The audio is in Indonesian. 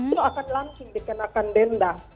itu akan langsung dikenakan denda